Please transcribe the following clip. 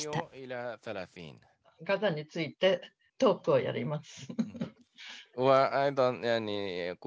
ガザについてトークをやります。